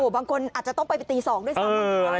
บางคนอาจจะต้องไปตี๒ด้วยซ้ำ